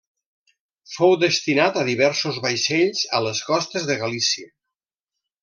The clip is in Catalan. Fou destinat a diversos vaixells a les costes de Galícia.